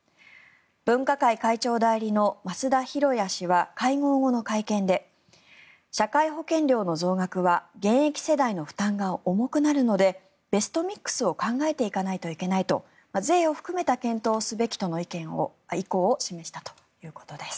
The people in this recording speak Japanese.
分科会会長代理の増田寛也氏は会合後の会見で社会保険料の増額は現役世代の負担が重くなるのでベストミックスを考えていかないといけないと税を含めた検討をすべきとの意向を示したということです。